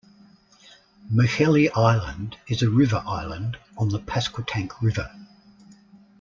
Machelhe Island is a river island on the Pasquotank River.